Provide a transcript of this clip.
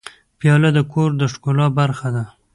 پیاله د کور د ښکلا برخه ده.